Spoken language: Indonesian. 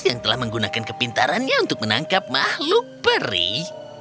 yang telah menggunakan kepintarannya untuk menangkap makhluk perih